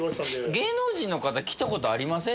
芸能人来たことありません？